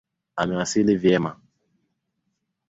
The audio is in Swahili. Amewasili vyema